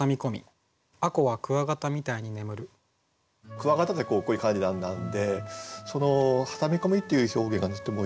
クワガタってこういう感じなんで「挟み込み」っていう表現がとてもいいですよね。